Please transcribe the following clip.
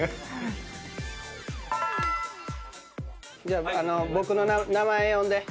・じゃあ僕の名前呼んで。